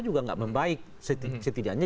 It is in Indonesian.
juga tidak membaik setidaknya